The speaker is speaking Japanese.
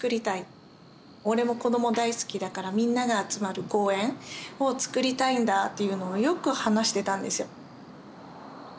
俺も子ども大好きだからみんなが集まる公園をつくりたいんだっていうのをよく話してたんですよ。